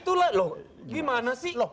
itu lah loh gimana sih